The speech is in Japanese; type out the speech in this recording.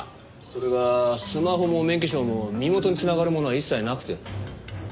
それがスマホも免許証も身元に繋がるものは一切なくて。